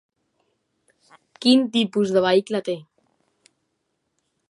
Quin tipus de vehicle té?